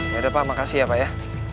yaudah pak makasih ya pak ya